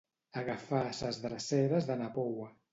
Agafar ses dreceres de na Poua.